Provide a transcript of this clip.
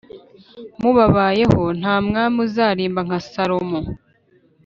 mubabayeho ntamwami uzarimba nka salomo